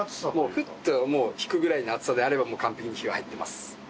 フッともう引くぐらいの熱さであればもう完璧に火は入ってます。